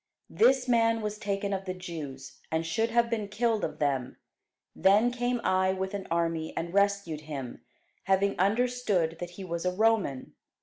This man was taken of the Jews, and should have been killed of them: then came I with an army, and rescued him, having understood that he was a Roman.